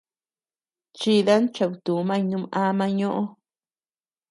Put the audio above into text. Chidan cheutumañ num ama ñoʼö.